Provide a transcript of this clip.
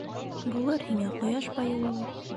Булыр һиңә ҡояш байыуы ла.